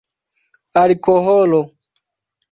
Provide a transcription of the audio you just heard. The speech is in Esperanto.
alkoholo